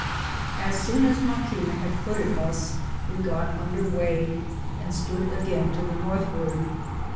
As soon as Maquina had quitted us, we got under weigh, and stood again to the northward.